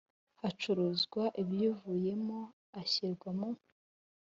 hacuruzwa ibiyivuyemo ashyirwa mu